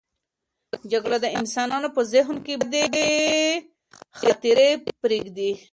جګړه د انسانانو په ذهن کې بدې خاطرې پرېږدي.